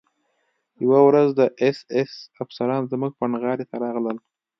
یوه ورځ د اېس ایس افسران زموږ پنډغالي ته راغلل